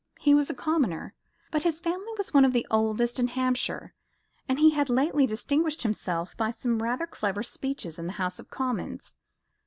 He was a commoner, but his family was one of the oldest in Hampshire, and he had lately distinguished himself by some rather clever speeches in the House of Commons.